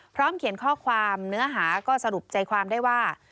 เขียนข้อความเนื้อหาก็สรุปใจความได้ว่า